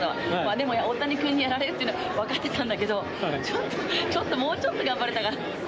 でも大谷君にやられるっていうのは分かってたんだけど、もうちょっと頑張れたかな。